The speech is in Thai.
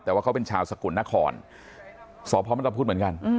แต่ว่าเขาเป็นชาวสกลนครสพมตะพุทธเหมือนกัน